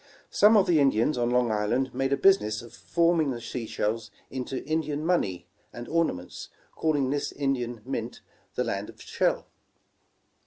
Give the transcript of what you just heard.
Some of the Indians on Long Island made a business of forming the sea shells into Indian money and orna ments, calling this Indian mint, ''The Land of Shell."